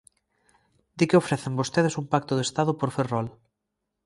Di que ofrecen vostedes un pacto de Estado por Ferrol.